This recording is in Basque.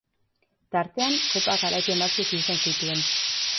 Tartean kopa garaipen batzuk izan zituen.